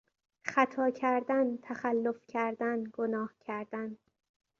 خطا کردن، تخلف کردن، گناه کردن